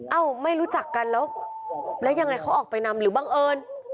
เอ้าไม่รู้จักกันแล้วแล้วยังไงเขาออกไปนำหรือบังเอิญ